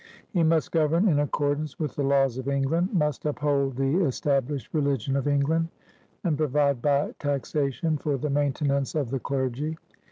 He must govern in accordance with the laws of England, must uphold the estab lished religion of England, and provide by taxa tion for the maintenance of the clergy.